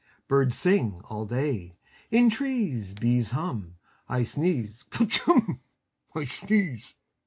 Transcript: Birds sing All day. In trees Bees hum I sneeze Skatch Humb!! I sdeeze.